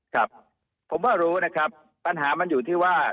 ครับผมว่ารู้นะครับปัญหามันอยู่ที่ว่า